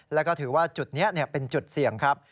แล้วก็ถือว่าจุดนี้เป็นจุดเสี่ยงครับ